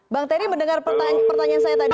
bang terry mendengar pertanyaan saya tadi